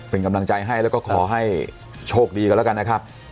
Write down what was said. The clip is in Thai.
เป็นกำลังใจให้แล้วก็ขอให้โชคดีกันแล้วกันนะครับ